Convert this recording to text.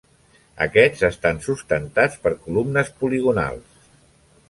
Aquests estan sustentats per columnes poligonals.